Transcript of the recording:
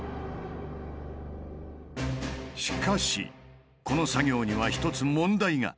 しかしこの作業には１つ問題が。